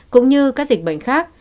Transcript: cũng như các dịch bệnh khác